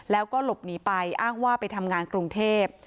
แล้วก็หลบหนีไปอ้างว่าไปทำงานกรุงเทพ